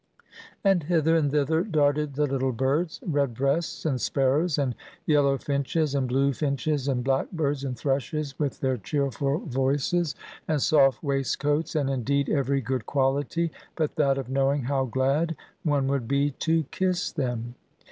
And hither and thither darted the little birds; red breasts and sparrows, and yellow finches and blue finches, and blackbirds and thrushes, with their cheerful voices and soft waistcoats, and, indeed, every good quality but that of knowing how glad one would be to kiss them.